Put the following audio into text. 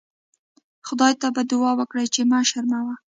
خدای ته به دوعا وکړئ چې مه شرموه.